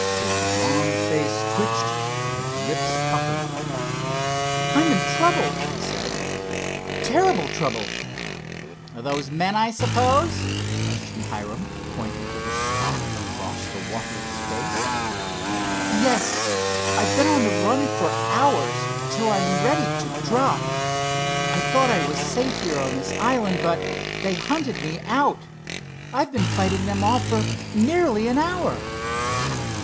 His wan face twitched and his lips puckered. "I'm in trouble," he said—"terrible trouble." "Those men, I suppose?" questioned Hiram, pointing to the spot across the watery space. "Yes, I've been on a run for hours, till I'm ready to drop. I thought I was safe here on this island, but they hunted me out. I've been fighting them off for nearly an hour."